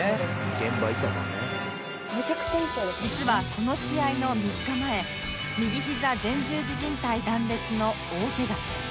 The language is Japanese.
「現場いたもんね」実はこの試合の３日前右膝前十字じん帯断裂の大けが